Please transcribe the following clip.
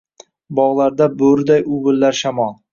Bog’larda bo’riday uvillar shamol